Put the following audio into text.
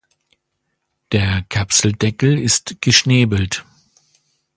Der Kapseldeckel ist geschnäbelt.